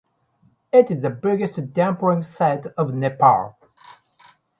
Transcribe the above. It is the biggest dumping site of Nepal.